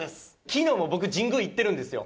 きのうも僕、神宮行ってるんですよ。